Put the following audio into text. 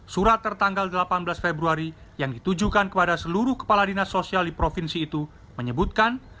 surat tertanggal delapan belas februari yang ditujukan kepada seluruh kepala dinas sosial di provinsi itu menyebutkan